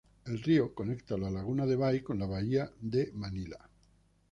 El río conecta la Laguna de Bay con la bahía de Manila.